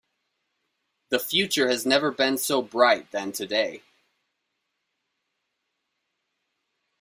The future has never been so bright than today.